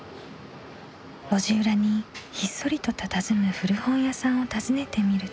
路地裏にひっそりとたたずむ古本屋さんを訪ねてみると。